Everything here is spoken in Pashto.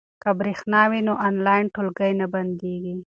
که برېښنا وي نو آنلاین ټولګی نه بندیږي.